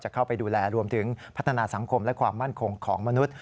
เข้าไปดูแลรวมถึงพัฒนาสังคมและความมั่นคงของมนุษย